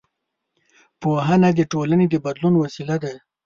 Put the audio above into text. پوهنه د ټولنې د بدلون وسیله ده